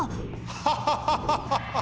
ハハハハハ。